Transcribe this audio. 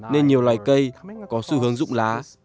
nên nhiều loài cây có sự hướng rụng lá